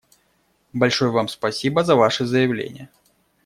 Большое вам спасибо за ваше заявление.